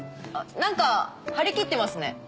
なんか張り切ってますね。